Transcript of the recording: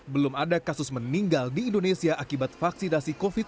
belum ada kasus meninggal di indonesia akibat vaksinasi covid sembilan belas